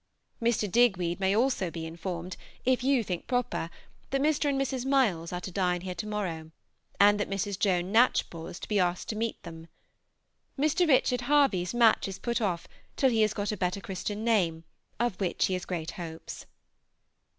Mr. Digweed may also be informed, if you think proper, that Mr. and Mrs. Milles are to dine here to morrow, and that Mrs. Joan Knatchbull is to be asked to meet them. Mr. Richard Harvey's match is put off till he has got a better Christian name, of which he has great hopes.